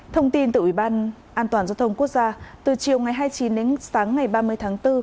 thông tin từ ủy ban an toàn giao thông quốc gia từ chiều ngày hai mươi chín đến sáng ngày ba mươi tháng bốn